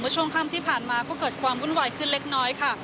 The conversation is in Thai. ช่วงค่ำที่ผ่านมาก็เกิดความวุ่นวายขึ้นเล็กน้อยค่ะ